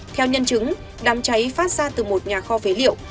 theo nhân chứng đám cháy phát ra từ một nhà kho phế liệu